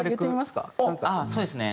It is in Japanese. そうですね